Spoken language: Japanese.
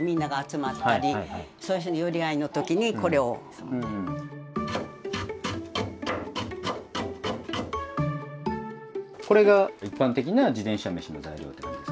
そこではこれが一般的な自転車めしの材料って感じですか？